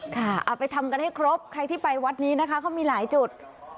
เอาไปทำกันให้ครบใครที่ไปวัดนี้นะคะเขามีหลายจุด